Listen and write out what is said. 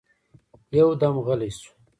يودم غلی شو.